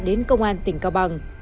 đến công an tỉnh cao bằng